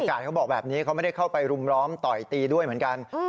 เขาบอกแบบนี้เขาไม่ได้เข้าไปรุมล้อมต่อยตีด้วยเหมือนกัน